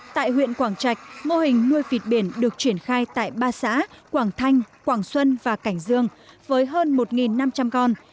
tại huyện quảng trạch mô hình nuôi vịt biển được triển khai tại ba xã quảng thanh quảng xuân và cảnh dương với hơn một năm trăm linh con